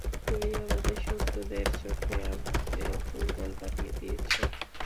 তুমি আমাদের শত্রুদের চোখে আমাদের দুর্বল বানিয়ে দিয়েছো।